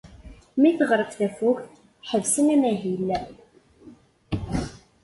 Mi teɣreb tafukt, ḥebsen amahil.